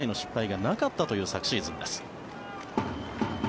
セーブ機会の失敗がなかったという昨シーズンです。